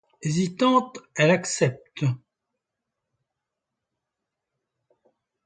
Hésitante, elle accepte.